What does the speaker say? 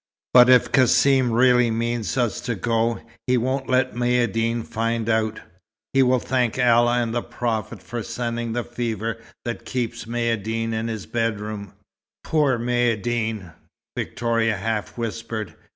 "But, if Cassim really means us to go, he won't let Maïeddine find out. He will thank Allah and the Prophet for sending the fever that keeps Maïeddine in his bedroom." "Poor Maïeddine!" Victoria half whispered.